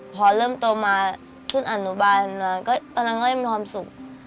พอเริ่มโตมาทุนอนุบาลตอนนั้นก็ยังมีความสุข